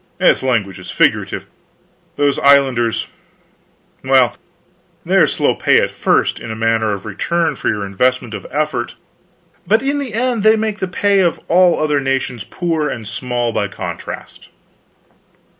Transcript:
This language is figurative. Those islanders well, they are slow pay at first, in the matter of return for your investment of effort, but in the end they make the pay of all other nations poor and small by contrast.